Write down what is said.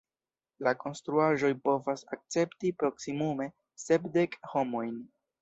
La konstruaĵoj povas akcepti proksimume sepdek homojn.